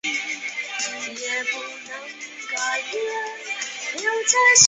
黑龟属是地龟科下的一个属。